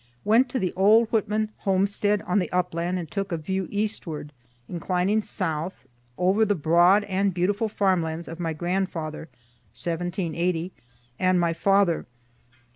Went to the old Whitman homestead on the upland and took a view eastward, inclining south, over the broad and beautiful farm lands of my grandfather (1780,) and my father.